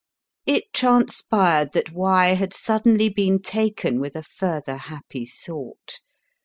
It transpired that Y. had suddenly been taken with a further happy thought.